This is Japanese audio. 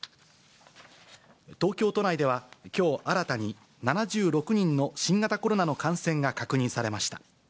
東京都内ではきょう、新たに７６人の新型コロナの感染が確認されました。